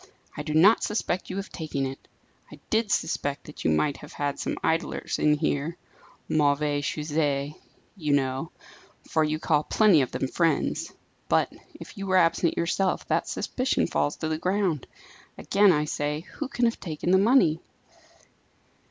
"I do not suspect you of taking it. I did suspect that you might have got some idlers in here, mauvais sujets, you know, for you call plenty of them friends; but, if you were absent yourself, that suspicion falls to the ground. Again I say, who can have taken the money?"